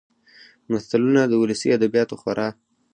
متلونه د ولسي ادبياتو خورا .